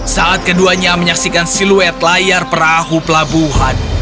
saat keduanya menyaksikan siluet layar perahu pelabuhan